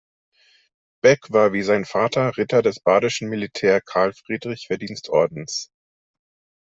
Beck war wie sein Vater Ritter des badischen Militär-Karl-Friedrich-Verdienstordens.